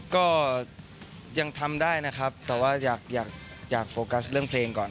ก็ยังทำได้นะครับแต่ว่าอยากโฟกัสเรื่องเพลงก่อน